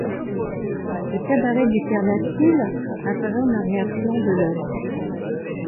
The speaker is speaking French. Le cabaret du père Lathuille apparaît en arrière plan de l’œuvre.